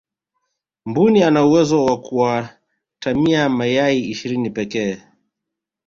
mbuni ana uwezo wa kuatamia mayai ishirini pekee